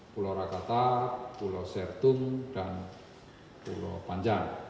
pulau rakata pulau sertung dan pulau panjang